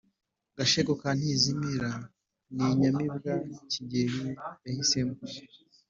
Gashegu ka Ntizimira ni Inyamibwa-Kigeli-yahisemo